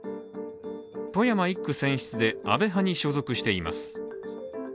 富山１区選出で、安倍派に所属しています。